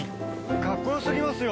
かっこよすぎますよ。